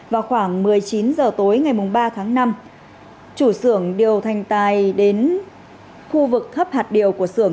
vào khoảng một mươi chín h tối ngày ba tháng năm chủ sưởng điều thành tài đến khu vực thấp hạt điều của sưởng